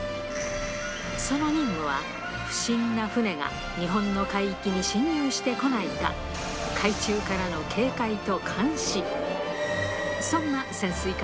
その任務は、不審な船が日本の海域に侵入してこないか、海中からの警戒と監視。